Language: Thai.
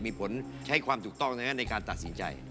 มีผลใช้ความถูกต้องในการตัดสินใจ